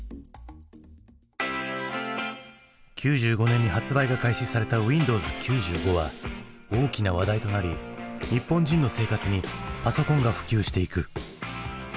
９５年に発売が開始された「Ｗｉｎｄｏｗｓ９５」は大きな話題となり日本人の生活にパソコンが普及していく。